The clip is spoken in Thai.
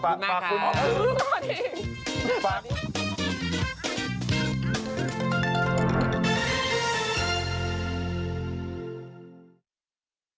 บ๊ายบี